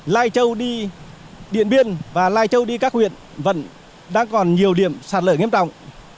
lai châu đi điện biên và lai châu đi các huyện vẫn đang còn nhiều điểm sạt lở nghiêm trọng